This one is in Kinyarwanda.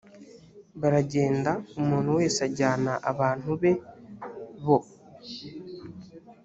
baragenda umuntu wese ajyana abantu be bo